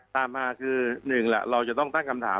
ตามมาคือ๑เราจะต้องตั้งคำถาม